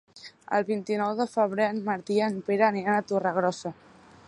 El vint-i-nou de febrer en Martí i en Pere aniran a Torregrossa.